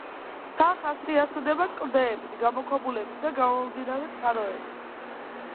მთა ხასიათდება კლდეებით, გამოქვაბულებით და გამომდინარე წყაროებით.